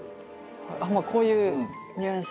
まあこういうニュアンスで。